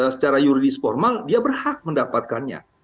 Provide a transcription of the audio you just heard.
secara yuridis formal dia berhak mendapatkannya